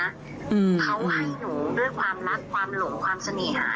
อืมเขาให้หนูด้วยความรักความหลงความเสน่หา